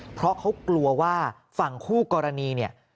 เพราะเขากลัวว่าฝั่งคู่กรณีเนี่ย